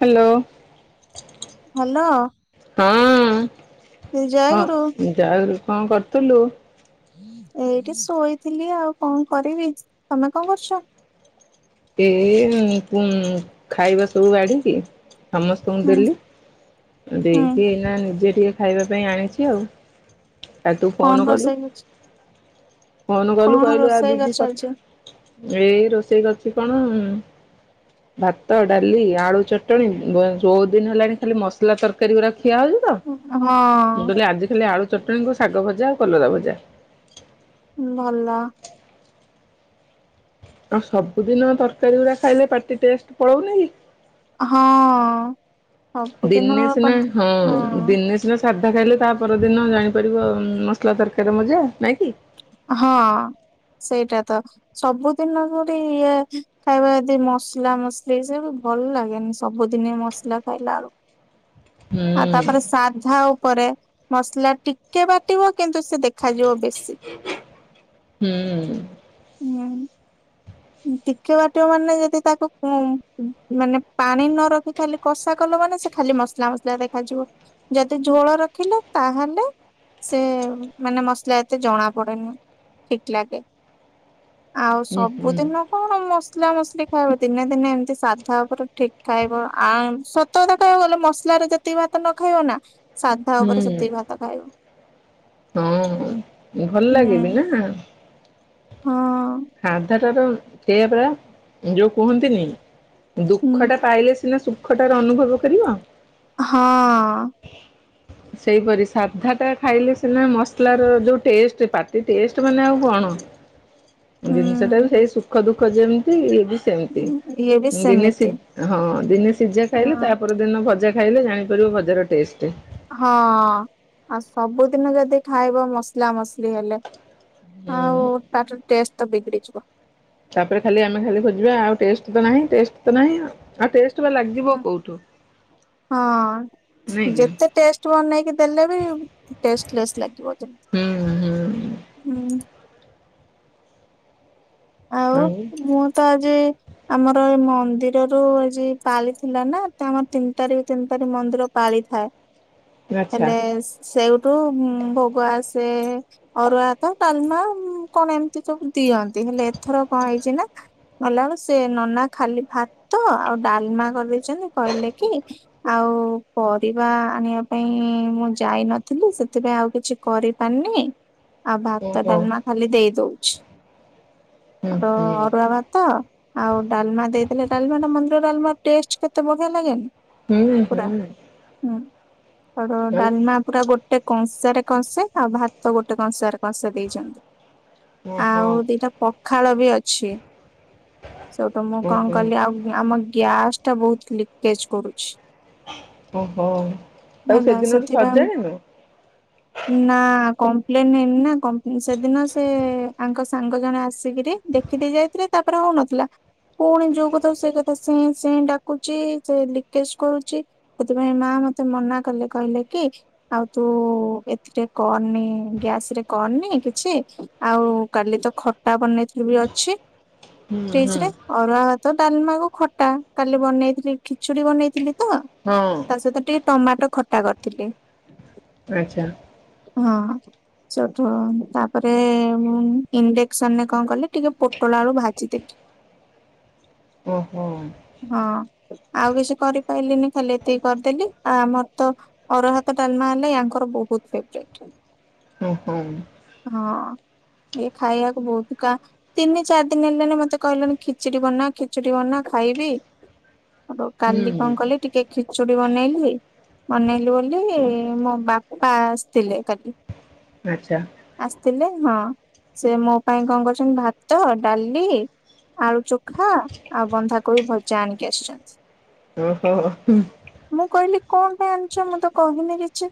Hello. Hello. ଜୟ ହଁ ଗୁରୁ ଯାଉ ରୁ କଣ କରଥିଲୁ। ଏଇଠି ଶୋଇଥିଲି ଆଉ କଣ କରିବି ତମେ କଣ କରୁଛ। ଏ ମି ପୁଁ ଖାଇବା ସବୁ ବାଢିକି। ସମସ୍ତଙ୍କୁ ହୁଁ ଦେଲି ହୁଁ ଦେଇକି ଏଇନା ନିଜେ। ଖାଇବା ପାଇଁ ଆଣିଚି ଆଉ ତା ତୁ କଣ ଫୋନ୍ କଲୁ। ରୋଷେଇ ହେଇଛି ଫୋନ୍ କଲୁ କଣ କହିଲୁ ଆଉ ରୋଷେଇ ଦିଦି କରିଛ ଆଜି? କଥା ଏଇ ରୋଷେଇ କରୁଛି କଣ ଭାତ ଡାଲି ଆଳୁ ଚଟଣି ବ ବହୁତ ଦିନ ହେଲାଣି ଖାଲି ମସଲା ତରକାରୀ ଗୁରା ଖିଆ ହଉଛି ତ ମୁଁ ହଁ କହଲେ ଆଜି ଖାଲି ଆଳୁ ଚଟଣି କୁ। ଶାଗ ଭଜା କଲରା ଭଜା‌। ଭଲ। ଆଉ ସବୁଦିନ ତରକାରୀ ଗୁଡ଼ା ଖାଇଲେ ପାଟି ଟେଷ୍ଟ ପଳଉନି କି। ହଁ ସବୁଦିନ ଦିନେଶିନା ପାଞ୍ଚ ହଁ ଦିନେଶିନା ସା ଧା ଖାଇଲେ ତା ପରଦିନ ଜାଣିପାରିବ ମସଲା ତରକାରୀ ମଜା ନାଇଁ କି। ହଁ। ସେଇଟା ତ ସବୁଦିନ ପରି ଇଏ ଖାଇବେ ଯଦି ମସଲା ମସଲି ସିଏବି। ଭଲ ଲାଗେନି ସବୁଦିନେ ମସଲା ଖାଇଲା ହୁଁ ବେଳକୁ ଆଉ ତାପରେ ସାଧା ଉ ପରେ ମସଲା ଟିକେ ବାଟିବ କିନ୍ତୁ ସେ ଦେଖାଯିବ ବେଶୀ। ହୁଁ। ହୁଁ। ଟିକେ ବାଟିବ ମାନେ ଯଦି ତାକୁ ପୁ ମାନେ ପାଣି ନରଖି ଖାଲି କଷା କଲ। ମାନେ ସେ ଖାଲି ମସଲା ମସଲା ଦେଖାଯିବ ଯଦି ଝୋଳ ରଖିଲ ତାହେଲେ। ସେ ମାନେ ମସଲା ଏତେ ଜଣା ପଡ଼େ ନି ଠିକ୍ ଲାଗେ। ଆଉ ହୁଁ ହୁଁ ସବୁଦିନ କଣ ମସ ମସଲା ମସଲି ଖାଇବ ଦିନେ ଦିନେ ଏମିତି ସାଧା ଉପରେ ଠିକ୍ ଖାଇବ ଆ ସତ କଥା କହିବାକୁ ଗଲେ ମସଲା ରେ ଯେତିକି ଭାତ ନ ଖାଇବ ନା ସାଧା ଉପରେ ହୁଁ ସେତିକି ଭାତ ଖାଇବ। ହଁ ଭଲ ହୁଁ ଲାଗେ ବିନା। ହଁ। ସାଧାଟା ର ସେୟା ପରା ଯୋଉ କୁହନ୍ତିନି ହୁଁ ଦୁଃଖ ଟା ପାଇଲେ ସିନା ସୁ ଖ ଟାର ଅନୁଭବ କରିବ। ହଁ। ସେଇପରି ସାଧା ଟା ଖାଇଲେ ସିନା ମସଲା ର ଯୋଉ ଟେଷ୍ଟ ପାଟି ଟେଷ୍ଟ ମାନେ ଆଉ କଣ ଜିନିଷଟା ହୁଁ ବି ସେଇ ସୁଖ ଦୁଃଖ ଦୁଃଖ ଯେମିତି ଇଏବି ସେମ୍ ତି ଇଏ ବି ଦିନେ ସେମିତି ସ ହଁ ଦିନେ ସିଝା ଖାଇଲେ ହଁ। ତାପରେ ଦିନ ଭଜା ଖାଇଲେ ଜାଣିପାରିବ ଭଜାର ଟେଷ୍ଟ। ହଁ ଆଉ ସବୁଦିନ ଯଦି ଖାଇବ ମସଲା ମସଲି ହେଲେ। ଆଉ ତାର ଟେଷ୍ଟ ତ ବିଗିଡିଛି। ତାପରେ ଖାଲି ଆମେ ଖାଲି ଖାଯିବା ଆଉ ଟେଷ୍ଟ ନାହିଁ ଟେଷ୍ଟ ନାହିଁ ଆଉ ଟେଷ୍ଟେ। ଲାଜୀବ କୋଉଠୁ। ନାଇଁ ହଁ। କି ଯେତେ ଟେଷ୍ଟ ବନେଇକି ଦେଲେ ବି ଟଷ୍ଟଲେସ୍ ଲାଗିବ ଯେମ୍ ତି। ହୁଁ ହୁଁ ହୁଁ। ଆଉ ମୁଁ ତ ଆଜି ଆମର ଏଇ ମନ୍ଦିରରୁ ଆଜି ପାଲି ଥିଲା ନା ଆମର ତିନି ତାରିଖ ତିନି ତାରିଖ ମନ୍ଦିର ପା ପାଳିଥାଏ ଆଚ୍ଛା ହେଲେ ସେଉଠୁ ଭୋଗ ଆସେ। ସେ ଅରୁଆ ଭାତ ଡାଲମା କଣ ଏମିତି ସବୁ ଦିଅନ୍ତି ହେଲେ। ଏଥର କଣ ହେଇଛି ନା ଗଲା ବେଳୁ ସେ ନନା ଖାଲି ଭାତ ଆଉ ଡାଲମା କରିଦେଇଛନ୍ତି। କହିଲେ କି ଆଉ ପରିବା ଆଣିବା ପାଇଁ ମୁଁ ଯାଇ ନଥିଲି ସେଥିପାଇଁ ଆଉ କିଛି କରିପାନି ଆଉ ଭାତ ଓହୋ ଡାଲମା ଖାଲି ଦେଇ ଦଉଛି। ହୁଁ ଆ ହୁଁ ଅରୁଆ ଭାତ ଆଉ ଡାଲମା ଦେଇଥିଲେ ଡାଲମା ଟା ମନ୍ଦିରର। ଡାଲମା ଷ୍ଟେଟ କେତେ ବଢିଆ ଲାଗେନି। ହୁଁ ହୁଁ। ଆର ଡାଲମା ପୁରା ଗୋଟେ କଂସରେ କଂସେ ଆଉ ଭାତ ଗୋଟେ କଂସରେ କଂସେ ଦେଇଛନ୍ତି। ଓହୋ ଆଉ ଦିଟା ପଖାଳ ବି ଅଛି। ସେଇଟୁ ମୁଁ କଣ ଓହୋ କଲି ଆଉ ଆମ ଗ୍ୟାସ ଟା ବହୁତ ଲିକେଜ କରୁଛି। ଓହୋ ତାକୁ ହେଲା ସେଦିନରୁ ସେଥିପାଇଁ ସଜାଡିନୁ। ନା କମ୍ପ୍ଲେନ ହେଇନି ନା ସେଦିନ ସେ ଆଙ୍କ ସାଙ୍ଗ ଜଣେ ଆସି ଦେଇକିରି ଦେଖିଦେଇ ଯାଇଥିଲେ ତାପରେ ହୋଉନଥିଲା। ପୁଣି ଯୋଉ କଥା ସେଇ କଥା ସେଁ ସେଁ ଡାକୁଛି ସେ ଲିକେଜ କରୁଛି ସେଥିପାଇଁ ମାଆ ମତେ ମନା କଲେ କହିଲେ କି ଆଉ ତୁ ଏଥିରେ କରନି ଗ୍ୟାସ ରେ କରନି। ନାଇଁ କିଛି ଆଉ କାଲି ତ ଖ କଟା ବନେଇଥିଲି ବି ଅଛି ହୁଁ ହୁଁ ଫ୍ରିଜରେ ଅରୁଆ ତ ଡାଲମାକୁ ଖଟା କାଲି ବନେଇଥିଲି ଖିଚୁଡି ବନେଇଥିଲି। ତ ହଁ। ତା ସହିତ ଟିକେ ଟମାଟୋ ଖଟା କରିଥିଲି। ଆଚ୍ଛା। ଚୋଟ ତାପରେ ଇଣ୍ଡେ ସନ୍‌ ରେ କଣ କଲେ ଟିକେ ପୋଟଳ ଆଳୁ ଭାଜିଦେଲି। ଓହୋ। ହଁ। ଆଉ କିଛି କରିପାରିଲିନି ଖାଲି ଏତିକି କରିଦେଲି ଆ ଆମର ତ ଅରୁଆ ଭାତ ଡାଲମା ହେଲା ୟାଙ୍କର ବୋହୁତ ଫେବୋରାଇଟ ହଁ ଇଏ ଖାଇବାକୁ। ବହୁତ କା ତିନି ଚାରି ଦିନ ହେଲେଣି ମତେ କହିଲେଣି ଖିଚୁଡି ବନା ଖିଚୁଡି ବନା ଖାଇବି। ଆଉ କାଲି କଣ କଲି ଟିକେ ଖିଚୁଡି ବନେଇଲି। ମନେଇଲି ବୋଲି ମୋ ବାପା ଆସିଥିଲେ କାଲି। ଆଚ୍ଛା। ଆସିଥିଲେ ହଁ ସେ ମୋ ପାଇଁ କଣ କରୁଛନ୍ତି ଭାତ ଡାଲି ଆଳୁ ଚୋଖା ଆଉ ବନ୍ଧା କୋବି ଭଜା ଆଣିକି ଆସିଛନ୍ତି। ଓହୋ ହୁଁ। ମୁଁ କହିଲି କଣ ପାଇଁ ଆଣିଛ ମୁଁ ତ କହିିନି କିଛି।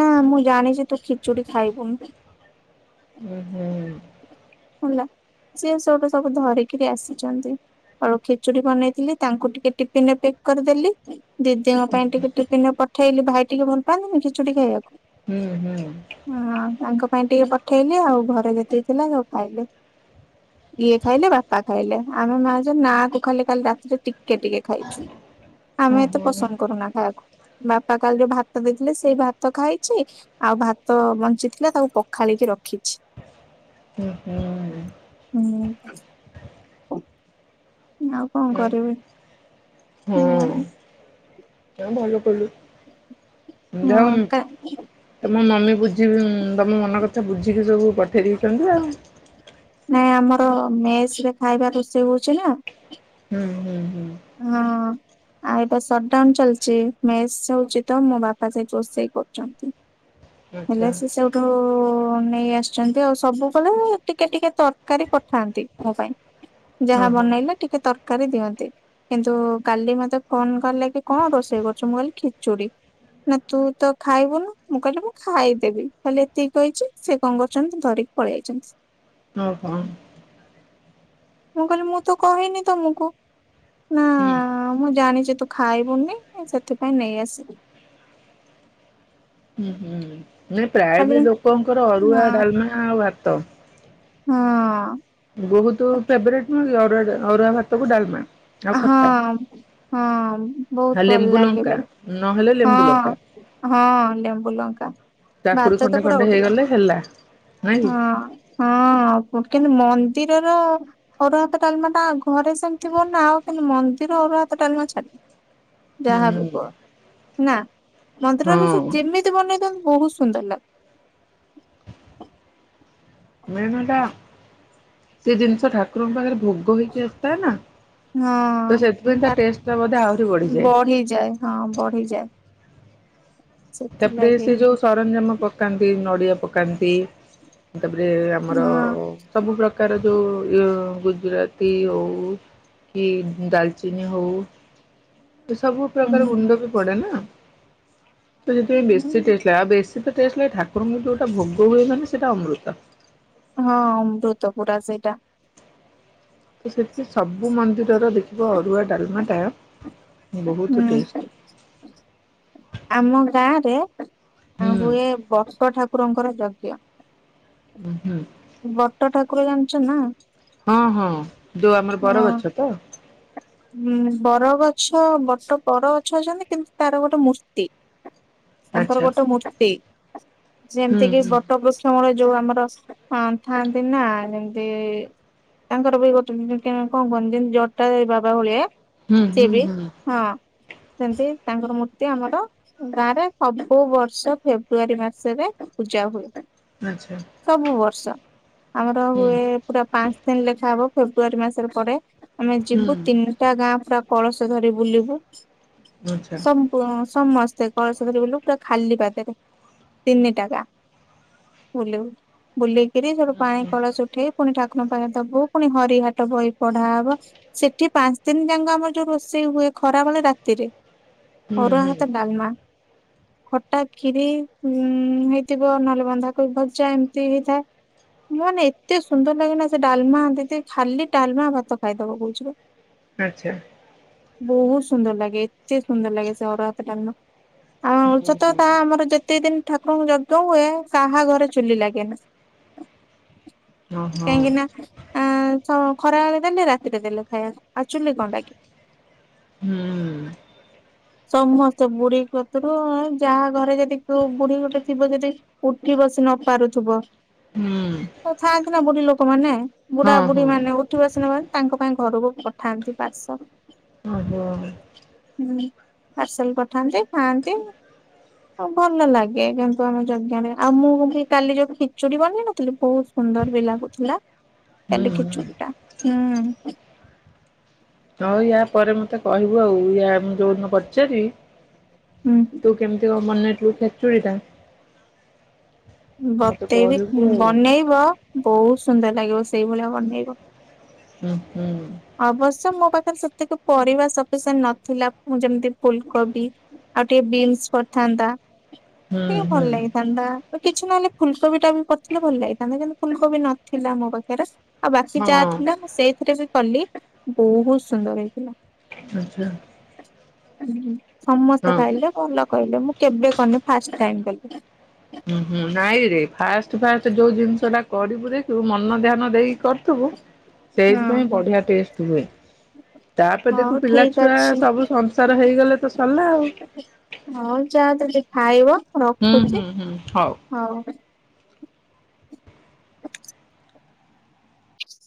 ନା ମୁଁ ଜାଣିଛି ତୁ ଖିଚୁଡ଼ି ଖାଇବୁନୁ। ଉଁ ହୁଁ। [unintelligible] ସିଏ ସେଟୁ ସବୁ ଧରିକିରି ଆସିଛନ୍ତି। ଅ ଖିଚୁଡ଼ି ବନେଇଥିଲି ତାଙ୍କୁ ଟିକେ ଟିଫିନରେ ପ୍ୟାକ୍ କରିକି ଦେଲି ଦିଦିଙ୍କ ପାଇଁ ଟିକେ ଟିଫିନରେ ପ ପଠେଇଲି ଭାଇ ଟିକେ ଭଲ ପାଆନ୍ତିନି ଖିଚୁଡ଼ି ଖାଇବାକୁ। ହୁଁ। ହଁ ତାଙ୍କ ପାଇଁ ଟିକେ ପଠେଇଲେ ଆଉ ଘରେ ଯେତିକି ଥିଲା ସବୁ ଖାଇଲେ। ଇଏ ଖାଇଲେ ବାପା ଖାଇଲେ। ଆମେ ମା ଝିଅ ନା କୁ ଖାଲି କାଲି ରାତିରେ ଟିକେ ଟିକେ ଖାଇଛୁ। ଆମେ ଏତେ ପସନ୍ଦ କରୁନା ଖାଇବାକୁ। ବାପା କାଲି ଯୋଉ ଭାତ ଦେଇଥିଲେ ସେଇ ଭାତ ଖାଇଚି। ଆଉ ଭାତ ବଞ୍ଚିଥିଲା ତାକୁ ପଖାଳିକି ରଖିଚି। ହୁଁ। ଆଉ କଣ କରିବି? ହୁଁ ହୁଁ ଭଲ କଲୁ। ଯଉ ହଁ କା ଏ ମୋ ମମି ବୁଝ୍ ତମ ମନ କଥା ବୁଝିକି ସବୁ ପଠେଇ ଦେଇଛନ୍ତି ଆଉ। ନାଇଁ ଆମର ମେସରେ ଖାଇବା ରୋଷେଇ ହଉଛି ନା। ହୁଁ ହୁଁ ହୁଁ ହଁ। ଆଉ ଏବେ ସଟଡାଉନ ଚାଲିଚି। ମେସ ହଉଛି ତ ମୋ ବାପା ସେଇଠି ରୋଷେଇ କରୁଛନ୍ତି। ହେଲେ ଆଚ୍ଛା ସେ ସେଉଠୁ ନେଇ ଆସିଛନ୍ତି ଆଉ। ସବୁବେଳେ ଟିକେ ଟିକେ ତରକାରୀ ପଠାନ୍ତି ମୋ ପାଇଁ। ଯାହା ଓହୋ ବନେଇଲେ ଟିକେ ତରକାରୀ ଦିଅନ୍ତି। କିନ୍ତୁ କାଲି ମତେ ଫୋନ କଲେ କି କଣ ରୋଷେଇ କରିଚୁ? ମୁଁ କହିଲି ଖିଚୁଡି। ନା ତୁ ତ ଖାଇବୁନୁ। ମୁଁ କହିଲି ମୁଁ ଖାଇଦେବି ଖାଲି ଏତିକି କହିଛି ସେ କଣ କରିଛନ୍ତି ଧରିକି ପଳେଇଆଇଛନ୍ତି। ଆଉ କଣ? ମୁଁ କହିଲି ମୁଁ ତ କହିନି ତମକୁ। ହୁଁ। ମୁଁ ଜାଣିଚି ତୁ ଖାଇବୁନି ସେଥିପାଇଁ ନେଇ ଆସିଲି। ହୁଁ ହୁଁ ନାଇଁ ପ୍ରାୟ କାଲି ବି ଲୋକଙ୍କର ନା ଅରୁଆ ଡାଲମା ଆଉ ଭାତ। ହଁ। ବହୁତ ଫେବରେଟ ନୁହଁ କି ଅରୁଆ ଭାତକୁ ଡାଲମା ଆଉ ଖଟା। ହଁ ହଁ ବହୁତ ହା ଭଲ ଲେମ୍ବୁ ଲାଗେ ଲଙ୍କା ବି। ନହେଲେ ଲେମ୍ବୁ ଲଙ୍କା ହଁ ହଁ ଲେମ୍ବୁ ଲଙ୍କା। କାକୁଡି ଭାତ ଖଣ୍ଡେ ତ ପୁରା ଖଣ୍ଡେ ଉଡିବ। ହେଇଗଲେ ହେଲା। ନାଇଁ କି ହଁ ହଁ କିନ୍ତୁ ମ ମନ୍ଦିରର ଅରୁଆ ଭାତ ଡାଲମା ଟା ଘରେ ସେମିତି ବନାଅ କିନ୍ତୁ ମନ୍ଦିର ଅରୁଆ ଭାତ ଡାଲମା ଛାଡିବ। ଯାହାବି କୁହ ହୁଁ ନା ମନ୍ଦିର ରେ ହଁ ସେ ଯେମିତି ବନେଇଥାନ୍ତୁ ବହୁତ ସୁନ୍ଦର ଲାଗ ମେନ୍ ହେଟା ସେ ଜିନିଷ ଠାକୁରଙ୍କ ପାଖରେ ଭୋଗ ହେଇକି ଆସଥାଏ ନା। ତ ସେଥିପାଇଁ ତା ଟେଷ୍ଟ ଟା ବୋଧେ ଆହୁରି ବଢିଯାଏ। ହଁ ବଢିଯାଏ ତାପରେ ସେଥିଲାଗି ସେ ଯୋଉ ସରଞ୍ଜାମ ପକାନ୍ତି ନଡିଆ ପକାନ୍ତି ତା ପରେ ଆମର ହଁ ସବୁ ପ୍ରକାର ଯୋଉ ଇ ଗୁଜୁରାତି ହଉ କି ଡାଲଚିନି ହଉ ସେ ସବୁ ପ୍ରକାର ଗୁଣ୍ଡ ବି ପଡେ ନା। ତ ସେଥିପାଇଁ ବେଶୀ ହୁଁ। ଟେଷ୍ଟ ଲାଗେ। ଆଉ ବେଶୀ ତ ଟେଷ୍ଟ ଲାଗ ଠାକୁରଙ୍କୁ ଯୋଉଟା ଭୋଗ ହୁଏ ମାନେ ସେଟା ଅମୃତ। ହଁ ଅମୃତ ପୁରା ସେଇଟା। ତ ସେଥିପାଇଁ ସବୁ ମନ୍ଦିରର ଦେଖିବ ଅରୁଆ ଡାଲମା ଟା ବହୁତ ହୁଁ ଟେଷ୍ଟ। ଆମ ଗାଁ ରେ ହୁଁ ହୁଏ ବଟ ଠାକୁରଙ୍କର ଯଜ୍ଞ। ଉଁ ହୁଁ। ବଟ ଠାକୁର ଜାଣିଚ ନା? ହଁ ହଁ ଯୋଉ ଆମର ହଁ ବରଗଛ ତ? ଉଁ ବରଗଛ ବଟ ବରଗଛ ଅଛନ୍ତି କିନ୍ତୁ ତାର ଗୋଟେ ମୂର୍ତ୍ତି। ତାଙ୍କର ଆଚ୍ଛା। ଗୋଟେ ମୂର୍ତ୍ତି ହୁଁ ଯେମିତି କିି ହୁଁ ବଟବୃକ୍ଷ ମୂଳେ ଯୋଉ ଆମର ହଁ ଥାନ୍ତି ନା ଯେମିତି ତାଙ୍କର ବି ଗୋଟେ ଦି କି କଣ କହନ୍ତି ଯେମିତି ଜଟାଧାରି ବାବା ଭଳିଆ। ହୁଁ ହୁଁ ହୁଁ। ସେମତି ତାଙ୍କର ମୂର୍ତ୍ତି ଆମର ଗାଁ ରେ ସବୁ ବର୍ଷ ଫେବୃଆରୀ ମାସରେ ପୂଜା ହୁଏ ଆଚ୍ଛା ସବୁ ବର୍ଷ। ଆମର ହୁଁ ହୁଁ ହୁଏ ପୁରା ପାଞ୍ଚ ଦିନ ଲେଖା ହବ ଫେବୃଆାରୀ ମାସରେ ପଡେ ଆମେ ଯିବୁ ତା ଗାଁ ପୁରା କଳସ ଧରି ବୁଲିବୁ ଆଚ୍ଛା। ସମ୍ପୁସ ସମସ୍ତେ କଳସ ଧରି ବୁଲିବୁ ପୁରା ଖାଲି ପାଦରେ ତିନିଟା ଗାଁ। ବୁଲିବୁ ବୁଲେଇ ହେଟି ସେଠୁ ପାଣି କଳସ ଉଠେଇ ପୁଣି ଠାକୁରଙ୍କ ପାଖ ଦବୁ ପୁଣି ହରି ହାଟ ବହି ପଢା ହବ ସେ ସେଠି ପାଞ୍ଚ ଦିନ ଯାକ ଆମର ଯୋଉ ରୋଷେଇ ହୁଏ ଖରାବେଳେ ରାତିରେ ହୁଁ ଅରୁୁଆଭାତ ହୁଁ ଡାଲମା ଖଟା କ୍ଷୀରି ଉ ହେଇଥିବ ନହେଲେ ବନ୍ଧାକୋବି ଭଜା ଏମିତି ହେଇଥାଏ। କୁହନି ଏତେ ସୁନ୍ଦର ଲାଗେନା ସେ ଡାଲମା ଦିଦୀ ଖାଲି ଡାଲମା ଭାତ ଖାଇଦବ କହୁଛି ପା। ଆଛା। ବହୁତ ସୁନ୍ଦର ଲାଗେ ଏତେ ସୁନ୍ଦର ଲାଗେ ସେ ଅରୁଆ ଭାତଟା ଡାଲମା। ଆ ଅ ହୁଁ ଞ୍ଚ ତ ହୁଁ ତା ଆମର ଯେତେ ଦିନ ଆପଣଙ୍କୁ ଯଦ ଦଉଁ ହୁଏ କାହା ଘରେ ଚୁଲି ଲାଗେ ନା। ଓହୋ। କାହିଁକି ନା ଆ ଙ୍କ ଖରା ବେଳେ ଦେନେ ରାତିରେ ଦେଲେ ଖାଇବା। ଅକ୍ଚୋଲି କଣ ଲାଗି? ହୁଁ। ସମସ୍ତେ ବୁଢୀ କତରୁ ଯାହା ଘରେ ଯଦି କଉ ବୁଢୀ ଗୋଟେ ଥିବ ଯଦି ଉଠିବ ବସି ନ ପାରୁଥିବ ତ ଥାଆନ୍ତି ନା ବୁଢୀ ଲୋକମାନେ ବୁଢା ହଁ ହଁ ବୁଢୀ ମାନେ ଉଠି ବସିନପାରିବ ତାଙ୍କ ପାଇଁ ଘରକୁ ପଠାନ୍ତି ପାର୍ଶଲ। ଆ ହୋ। ହୁ ପାର୍ସଲ ପଠାନ୍ତି ଖାଆନ୍ତି। ଭଲ ଲାଗେ କିନ୍ତୁ ଆମ ଯଜ୍ଞ ରେ ଆଉ ମୁଁ କି କାଲି ଯୋଉ ଖିଚୁଡି ବନେଇ ନଥିଲି ବହୁ ସୁନ୍ଦର ବି ଲାଗୁଥିଲା ହୁଁ କାଲି ହୁଁ। ଖିଚୁଡି ଟା ହୁଁ। ହଉ ୟା ପରେ ମତେ କହିବୁ ଆଉ ୟା ମୁଁ ଯୋଉଦିନ ପଚାରିବି ହୁଁ ତୁ କେମିତି ଙ୍କ ମନେଇଥିଲୁ ଖେଚୁଡ଼ି ଟା? ମତେ ବତେଇବି କହିବୁ ଆଉ ବନେଇବ ବହୁତ ସୁନ୍ଦର ଲାଗିବ ସେଇ ଭଳିଆ ବନେଇବ। ଉଁ ହୁ। ଅବଶ୍ୟ ମୋ ପାଖରେ ସେତିକି ପରିବା ସପିସେଣ୍ଟେ ନଥିଲା ଯେମିତି ଫୁଲକୋବି ଆଉ ଟିକିଏ ବିନ୍ସ ଥାନ୍ତା ଟିକେ ଭଲ ହୁଁ ଲାଗିଥାନ୍ତା। କିଛି ନହେଲେ ଫୁଲକୋବି ଟା ବି ପଡିଥିଲେ ଭଲ ଲାଗିଥାନ୍ତା କିନ୍ତୁ ଫୁଲକୋବି ନଥିଲା ମୋ ପାଖେରେ। ଆଉ ବାକି ଯାହା ହଁ ଥିଲା ମୁଁ ସେଇଥିରେ ବି କଲି ବହୁତ ସୁନ୍ଦର ହେଇଥିଲା। ଆଛା ଆଛା। ସମସ୍ତେ ଖାଇଲେ ଭଲ କହିଲେ ମୁଁ କେବେ କରିନି ଫାଷ୍ଟ ଟାଇମ୍ କଲି। ଉ ହୁଁ ନାଇଁ ରେ ଫାଷ୍ଟ ତୁ ଫାରଷ୍ଟ ଯୋଉ ଜିନିଷ ଟା କରିବୁ ଯେ ତୁ ମନ ଧ୍ୟାନ ଦେଇକି କରୁଥିବୁ ହଁ ସେଇଥିପାଇଁ ବଢିଆ ଟେଷ୍ଟ ହୁଏ। ତାପରେ ହଉ ଦେଖିବୁ ପିଲା ଠିକ ଛୁଆ ଅଛି। ସବୁ ସଂସାର ହେଇଗଲେ ତ ସରିଲା ଆଉ। ହଁ ଯାହା ଦେଲେ ଖାଇବ ହୁଁ ହୁଁ ରଖୁଛି ହୁଁ ହଉ।